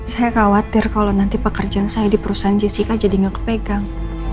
saya khawatir kalau nanti pekerjaan saya di perusahaan jessica jadi nggak kepegang